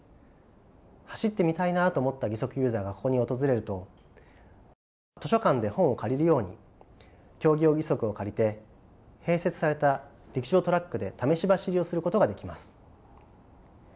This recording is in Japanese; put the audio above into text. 走ってみたいなと思った義足ユーザーがここに訪れると図書館で本を借りるように競技用義足を借りて併設された陸上トラックで試し走りをすることができます。